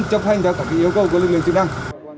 không chấp hành cho các yếu cầu của lực lượng chức năng